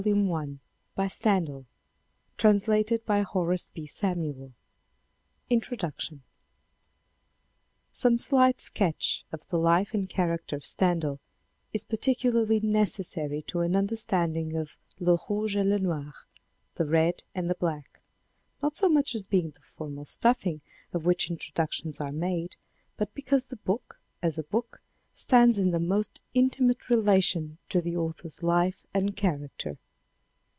DUTTON and Co. 1916 nearicK nan 3f(535 "brary rise: INTRODUCTION SOME slight sketch of the life and character of Stendhal is particularly necessary to an understanding of Le Rouge et Le Noir {The Red and the Black) not so much as being the formal stuffing of which introduc tions are made, but because the book as a book stands in the most intimate relation to the author's life and character.